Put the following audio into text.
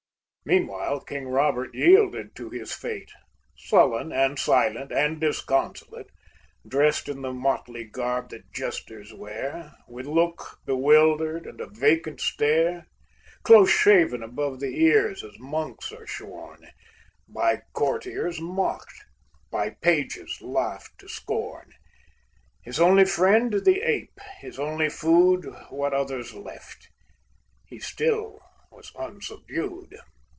Meanwhile King Robert yielded to his fate, Sullen and silent and disconsolate, Dressed in the motley garb that Jesters wear, With look bewildered and a vacant stare, Close shaven above the ears as monks are shorn, By courtiers mocked, by pages laughed to scorn, His only friend the ape, his only food What others left, he still was unsubdued.